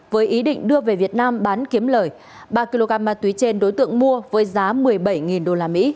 với ý định đưa về việt nam bán kiếm lời ba kg ma túy trên đối tượng mua với giá một mươi bảy usd